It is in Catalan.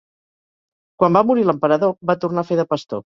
Quan va morir l'emperador, va tornar a fer de pastor.